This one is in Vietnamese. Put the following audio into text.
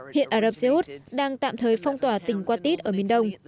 hiện ả rập xê út đang tạm thời phong tỏa tình qua tít ở miền đông